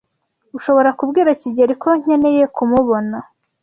Ushobora kubwira kigeli ko nkeneye kumubona?